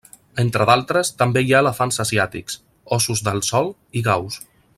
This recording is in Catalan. Entre d'altres, també hi ha elefants asiàtics, Óssos del Sol i Gaurs.